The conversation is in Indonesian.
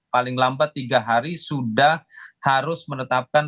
paling lambat tiga hari sudah harus menetapkan